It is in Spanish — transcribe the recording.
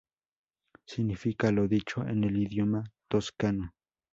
Significa "lo dicho" en el idioma Toscano.